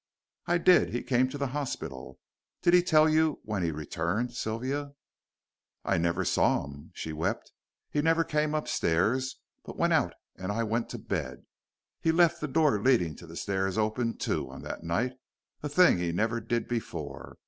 "I did. He came to the hospital. Didn't he tell you when he returned, Sylvia?" "I never saw him," she wept. "He never came upstairs, but went out, and I went to bed. He left the door leading to the stairs open, too, on that night, a thing he never did before.